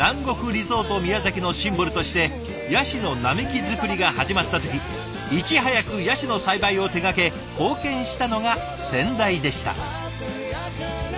リゾート宮崎のシンボルとしてヤシの並木造りが始まった時いち早くヤシの栽培を手がけ貢献したのが先代でした。